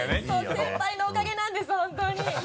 先輩のおかげなんです本当に。